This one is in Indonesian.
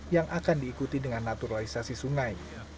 yang akan diikuti dengan naturalisasi sungai